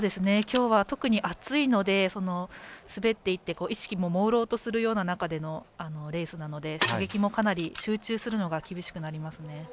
きょうは特に暑いので滑っていって、意識ももうろうとするような中でのレースなので射撃も、かなり集中するのが厳しくなりますね。